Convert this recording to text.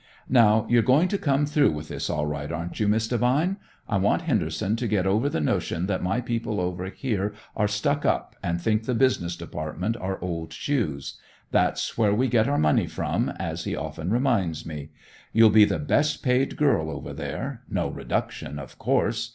"Now, you're going to come through with this all right, aren't you, Miss Devine? I want Henderson to get over the notion that my people over here are stuck up and think the business department are old shoes. That's where we get our money from, as he often reminds me. You'll be the best paid girl over there; no reduction, of course.